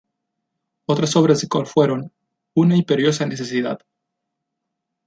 Otras obras de Coll fueron: "Una imperiosa necesidad.